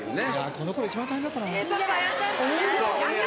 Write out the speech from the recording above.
この頃一番大変だったな。